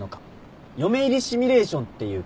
嫁入りシミュレーションっていうか。